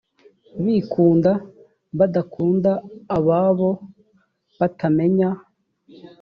bikunda badakunda ababo batamenya